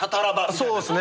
そうですね。